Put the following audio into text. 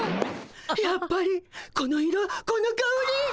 やっぱりこの色このかおり！